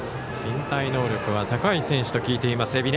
身体能力は高い選手と聞いています。